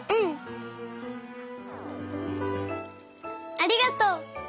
ありがとう。